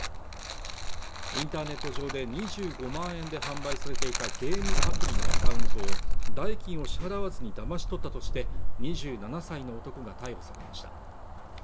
インターネット上で２５万円で販売されていたゲームアプリのアカウントを代金を支払わずにだまし取ったとして２７歳の男が逮捕されました